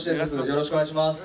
よろしくお願いします。